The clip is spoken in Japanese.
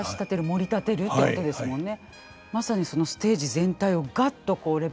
盛り立てるってことですもんね。